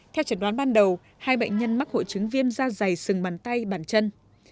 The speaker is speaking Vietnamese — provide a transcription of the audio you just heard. theo chẩn đoán ban đầu hai bệnh nhân mắc hội chứng viêm da dày sừng bàn tay bàn chân